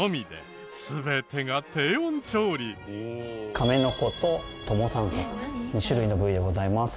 カメノコとトモサンカク２種類の部位でございます。